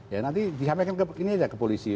ya nanti dihamekan ke ininya aja ke polisi